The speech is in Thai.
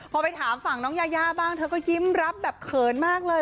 พอไปถามฝั่งน้องยายาบ้างเธอก็ยิ้มรับแบบเขินมากเลย